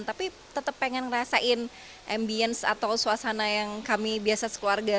tapi tetap pengen ngerasain ambience atau suasana yang kami biasa sekeluarga